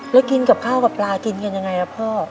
แล้วกินกับข้าวกับปลากินกันยังไงครับพ่อ